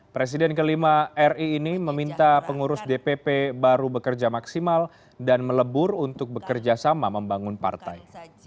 presiden kelima ri ini meminta pengurus dpp baru bekerja maksimal dan melebur untuk bekerja sama membangun partai